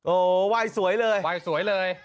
โอ้โหว่ายสวยเลยหน้าว่ายสวยเลย